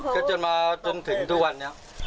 ก็จนมาจนถึงทุกวันนี้